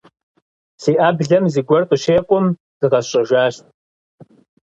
Си Ӏэблэм зыгуэр къыщекъум, зыкъэсщӀэжащ.